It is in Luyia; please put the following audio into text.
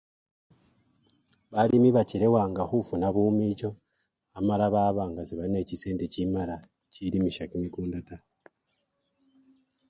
Balimi bachelewanga khufuna bumicho amala babanga sebali nechisende chimala chilimisha kimikunda taa.